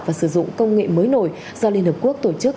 và sử dụng công nghệ mới nổi do liên hợp quốc tổ chức